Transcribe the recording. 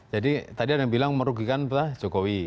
jadi tadi ada yang bilang merugikan pak jokowi